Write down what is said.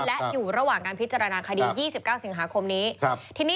และอยู่ระหว่างการพิจารณาคดี๒๙สิงหาคมนี้